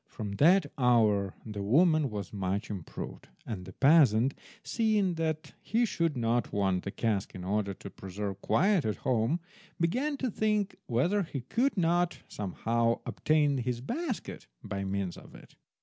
From that hour the woman was much improved, and the peasant, seeing that he should not want the cask in order to preserve quiet at home, began to think whether he could not somehow obtain his basket by means of it.